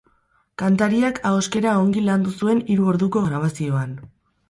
Kantariak ahoskera ongi landu zuen hiru orduko grabazioan.